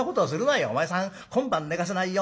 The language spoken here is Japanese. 「『お前さん今晩寝かさないよ